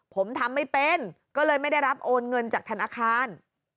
ผมทำไม่เป็นก็เลยไม่ได้รับโอนเงินจากธนาคาร